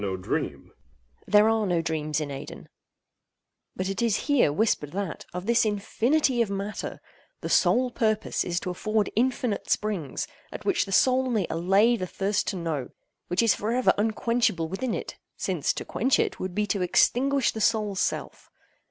There are no dreams in Aidenn—but it is here whispered that, of this infinity of matter, the sole purpose is to afford infinite springs, at which the soul may allay the thirst to know, which is for ever unquenchable within it—since to quench it, would be to extinguish the soul's self.